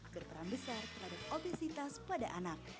berperan besar terhadap obesitas pada anak